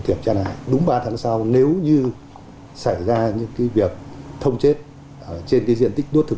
kiểm tra này đúng ba tháng sau nếu như xảy ra những cái việc thông chết trên cái diện tích đốt thực